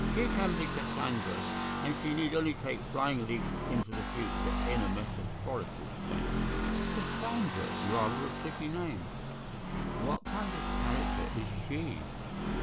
"She can be Cassandra, and she need only take flying leaps into the future, in a metaphorical sense." "Cassandra; rather a pretty name. What kind of character is she?"